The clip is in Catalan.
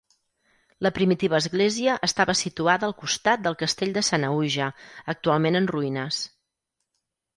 La primitiva església estava situada al costat del Castell de Sanaüja, actualment en ruïnes.